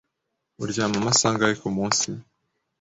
Uryama amasaha angahe kumunsi?